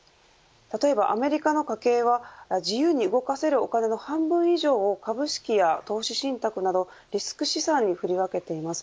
例えば、アメリカの家系は自由に動かせるお金の半分以上を株式や投資信託などリスク資産に振り分けています。